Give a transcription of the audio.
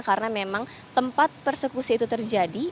karena memang tempat persekusi itu terjadi